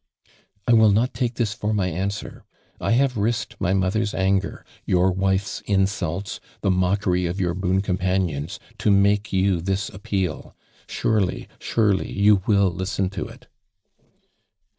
" I will not take this for my an.swer. I have risked my mother's anger — your wife's insults— the mockery of your boon compa nions to make you this appeal. Surely, surely, you will listen to it."